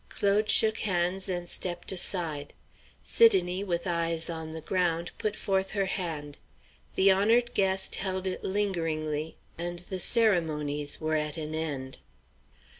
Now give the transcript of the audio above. Claude shook hands and stepped inside. Sidonie, with eyes on the ground, put forth her hand. The honored guest held it lingeringly, and the ceremonies were at an end.